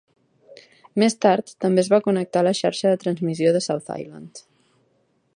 Més tard, també es va connectar a la xarxa de transmissió de South Island.